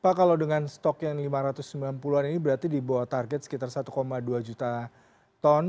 pak kalau dengan stok yang lima ratus sembilan puluh an ini berarti di bawah target sekitar satu dua juta ton